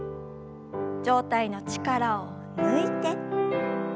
上体の力を抜いて。